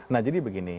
nah jadi begini